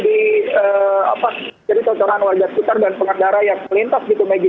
di cerita coran warga sekitar dan pengadara yang melintas gitu meggy